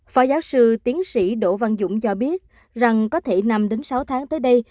phó giáo sư tiến sĩ đỗ văn dũng cho biết rằng có thể năm đến sáu tháng tới đây